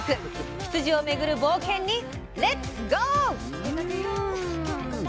羊をめぐる冒険にレッツゴー！